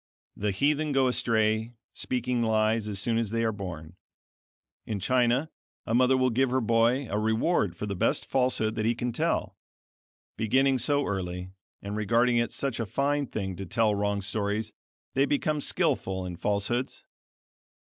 The heathen go astray, speaking lies as soon as they are born. In China a mother will give her boy a reward for the best falsehood that he can tell. Beginning so early, and regarding it such a fine thing to tell wrong stories, they become skillful in falsehoods.